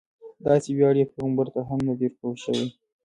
داسې ویاړ یو پیغمبر ته هم نه دی ورکړل شوی.